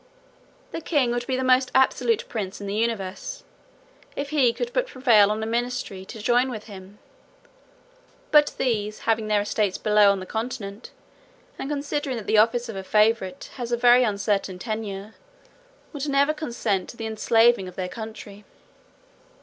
The king would be the most absolute prince in the universe, if he could but prevail on a ministry to join with him; but these having their estates below on the continent, and considering that the office of a favourite has a very uncertain tenure, would never consent to the enslaving of their country.